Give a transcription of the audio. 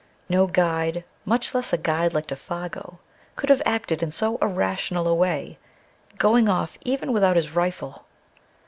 No guide, much less a guide like Défago, could have acted in so irrational a way, going off even without his rifle